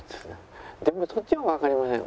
でもそっちはわかりません。